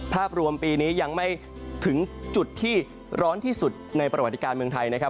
ภาพรวมปีนี้ยังไม่ถึงจุดที่ร้อนที่สุดในประวัติการเมืองไทยนะครับ